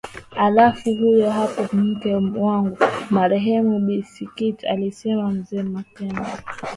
Halafu huyo hapo mke wangu marehemu bi Sikitu alisema mzee makame